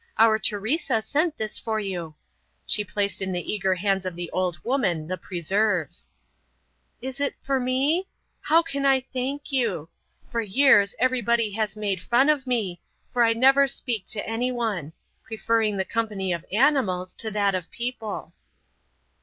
Our Teresa sent this for you." She placed in the eager hands of the old woman the preserves. "Is it for me? How can I thank you? For years everybody has made fun of me, for I never speak to anyone; preferring the company of animals to that of people."